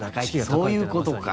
そういうことか。